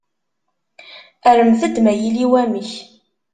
Rremt-d ma yili wamek.